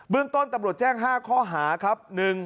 เรื่องต้นตำรวจแจ้ง๕ข้อหาครับ